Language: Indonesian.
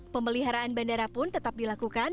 pemeliharaan bandara pun tetap dilakukan